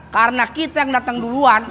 karena kita yang datang duluan